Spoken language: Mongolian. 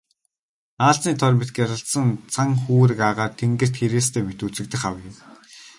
Аалзны тор мэт гялалзсан цан хүүрэг агаар тэнгэрт хэрээстэй мэт үзэгдэх авай.